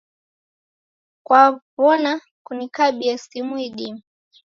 Kwaw'ona kunikabie simu idime